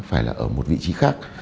phải là ở một vị trí khác